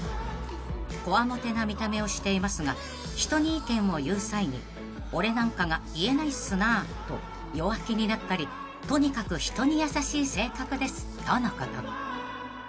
［「コワモテな見た目をしていますが人に意見を言う際に俺なんかが言えないっすなと弱気になったりとにかく人に優しい性格です」とのこと］